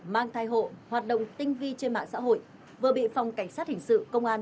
mang thai hộ hoạt động tinh vi trên mạng xã hội vừa bị phòng cảnh sát hình sự công an